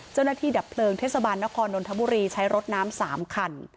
เจ้าหน้าที่ดับเพลิงเทศบาลนครนนทบุรีใช้รถน้ำสามคัน